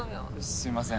すみません。